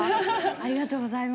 ありがとうございます。